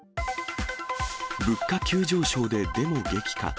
物価急上昇で、デモ激化。